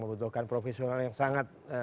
membutuhkan profesional yang sangat